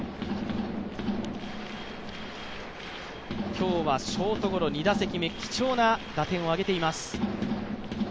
今日はショートゴロ、２打席目貴重な打点を挙げています。